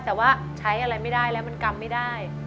แต่ว่าใช้อะไรไม่ได้แล้วมันกำไม่ได้